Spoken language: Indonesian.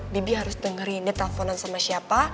bibi harus dengerin dia telponan sama siapa